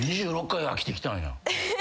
２６回飽きてきたんや。